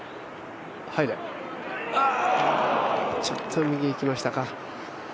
ちょっと右へ行きましたか。